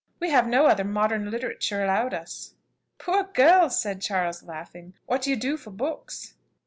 We have no other modern literature allowed us." "Poor girls!" said Charles, laughing; "what do you do for books?"